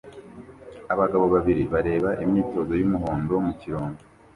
Abagabo babiri bareba imyitozo y'umuhondo mu kirombe